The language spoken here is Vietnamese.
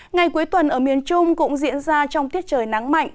ngày cuối tuần ở miền trung cũng diễn ra trong tiết trời nắng mạnh